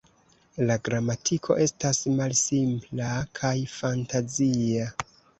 La gramatiko estas malsimpla kaj fantazia.